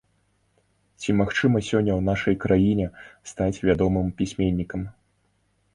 Ці магчыма сёння ў нашай краіне стаць вядомым пісьменнікам?